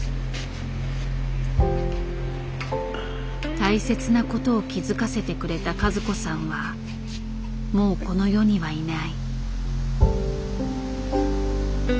大切なことを気づかせてくれた和子さんはもうこの世にはいない。